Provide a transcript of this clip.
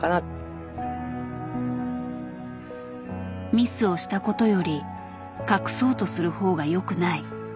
ミスをしたことより隠そうとする方が良くない。